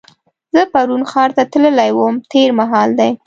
زه پرون ښار ته تللې وم تېر مهال دی.